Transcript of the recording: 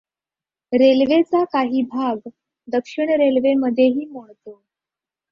रेल्वेचा काही भाग दक्षिण रेल्वे मध्येही मोडतो.